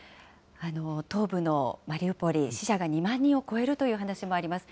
東部のマリウポリ、死者が２万人を超えるという話もあります。